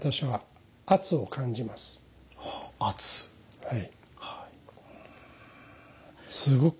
はい。